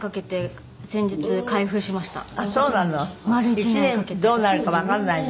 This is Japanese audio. １年どうなるかわかんないの？